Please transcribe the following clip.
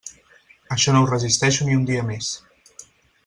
Això no ho resisteixo ni un dia més.